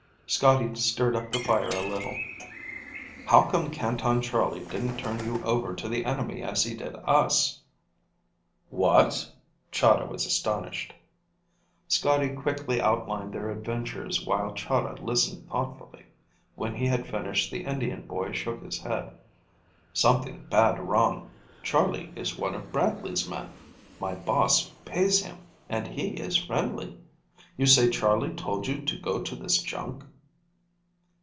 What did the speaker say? Scotty stirred up the fire a little. "How come Canton Charlie didn't turn you over to the enemy as he did us?" "What?" Chahda was astonished. Scotty quickly outlined their adventures while Chahda listened thoughtfully. When he had finished, the Indian boy shook his head. "Something bad wrong. Charlie is one of Bradley's men. My boss pays him, and he is friendly. You say Charlie told you to go to this junk?"